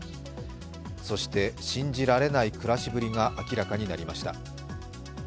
そして信じられない暮らしぶりが明らかになりました。